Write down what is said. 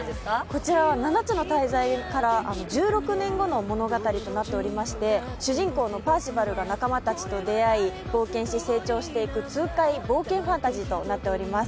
こちらは「七つの大罪」から１６年後の物語となっておりまして主人公のパーシバルが仲間たちと出会い、冒険して成長していく痛快冒険ファンタジーとなっています。